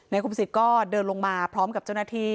คุมสิทธิ์ก็เดินลงมาพร้อมกับเจ้าหน้าที่